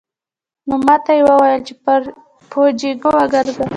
نو ماته يې وويل چې پر پوجيگرو وگرځم.